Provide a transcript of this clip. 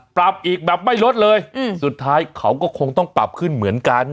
ปรับอีกแบบไม่ลดเลยสุดท้ายเขาก็คงต้องปรับขึ้นเหมือนกัน